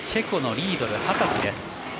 チェコのリードル２０歳です。